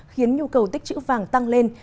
khiến nhu cầu tích chữ vàng tăng lên